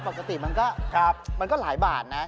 ผมมาให้